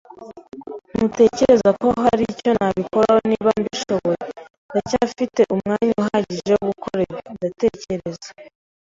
Ntutekereza ko hari icyo nabikoraho niba mbishoboye? Ndacyafite umwanya uhagije wo gukora ibi, ndatekereza.